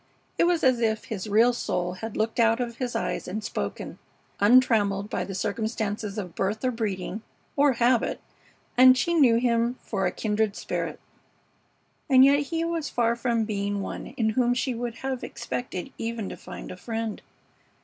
It was as if his real soul had looked out of his eyes and spoken, untrammeled by the circumstances of birth or breeding or habit, and she knew him for a kindred spirit. And yet he was far from being one in whom she would have expected even to find a friend.